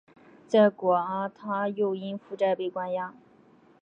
在果阿他又因负债被关押。